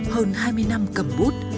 hơn hai mươi năm cầm bút